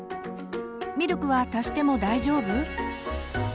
「ミルクは足しても大丈夫？」。